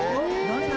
何？